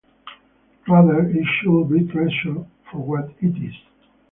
Rather, it should be treasured for what it is.